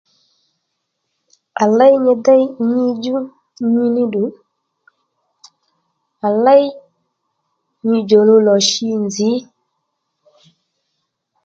À léy nyi déy nyi djú nyi níddù à léy nyi djòluw lò shi nzǐ